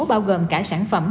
bao gồm cả sản phẩm